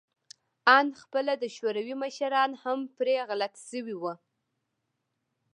آن خپله د شوروي مشران هم پرې غلط شوي وو